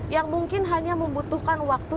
yang mungkin hanya membutuhkan waktu